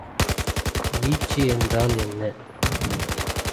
வீச்சு என்றால் என்ன?